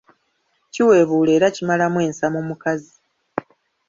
Kiwebuula era kimalamu ensa mu mukazi.